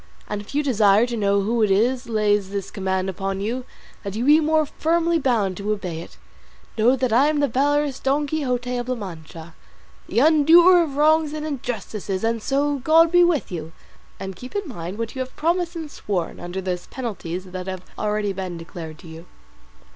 And if you desire to know who it is lays this command upon you, that you be more firmly bound to obey it, know that I am the valorous Don Quixote of La Mancha, the undoer of wrongs and injustices; and so, God be with you, and keep in mind what you have promised and sworn under those penalties that have been already declared to you."